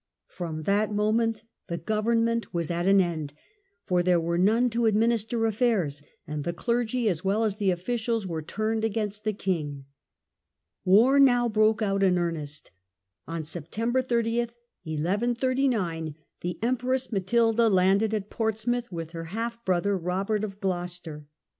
From that moment the government was at an end, for there were none to administer affairs, and the clergy as well as the officials were turned against the king. War now broke out in earnest. On September 30, 1 139, the Empress Matilda landed at Portsmouth with her half brother, Robert of Gloucester.